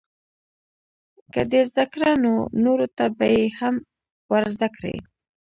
که دې زده کړه نو نورو ته به یې هم ورزده کړې.